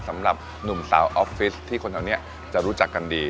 สำหรับหนุ่มสาวออฟฟิศที่คนเหล่านี้จะรู้จักกันดี